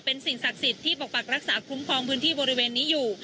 เป็นสิ่งศักดิ์สิทธิ์ที่ปกปักรักษาคุ้มครองพื้นที่บริเวณนี้อยู่